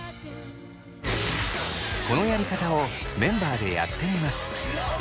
このやり方をメンバーでやってみます。